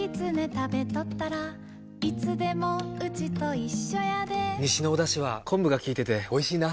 食べとったらいつでもウチと一緒やで西のおだしは昆布が効いてておいしいな。